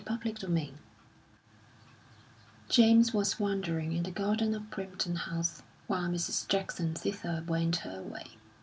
XII James was wandering in the garden of Primpton House while Mrs. Jackson thither went her way.